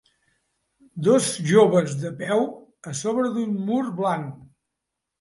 Dos joves de peu a sobre d'un mur blanc.